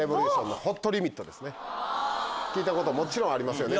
聴いたこともちろんありますね。